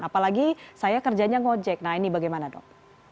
apalagi saya kerjanya ngojek nah ini bagaimana dok